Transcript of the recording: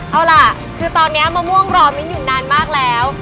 เอาล่ะคือตอนนี้มะม่วงรอมิ้นอยู่นานมากแล้ว